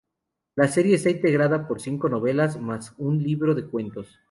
La serie está integrada por cinco novelas, más un libro de cuentos.